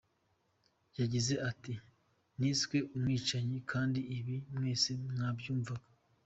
Yagize ati “Niswe umwicanyi kandi ibi mwese mwabyumvaga.